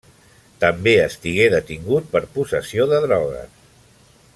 També estigué detingut per possessió de drogues.